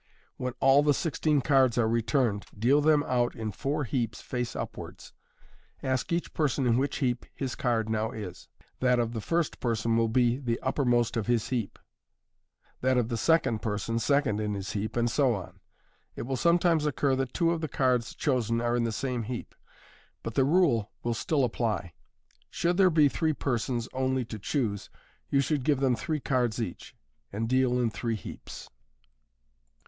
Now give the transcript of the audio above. When all the sixteen cards are returned, deal them out in four heaps, face upwards. Ask each person in which heap his card now is. That of the first person will be the uppermost of his heap, that of the second person second in his heap, and so on. It will sometimes occur that two of the cards chosen are in the same heap, but the rule will still apply. Should there be three persons only to choose, you should give them three cards each j and deal in three heaps.